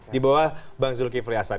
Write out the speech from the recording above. di bawah bang zulkifli hasan